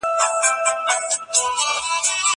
زه به سبا کتابونه لوستل کوم!؟